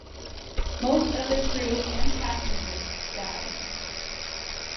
Most of the crew and passengers died.